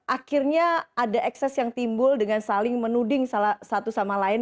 akhirnya ada ekses yang timbul dengan saling menuding satu sama lain